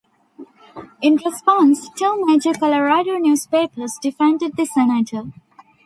In response, two major Colorado newspapers defended the Senator.